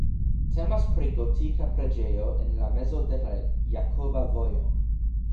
Temas pri gotika preĝejo en la mezo de la Jakoba Vojo.